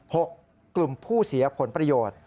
กลุ่มผู้เสียผลประโยชน์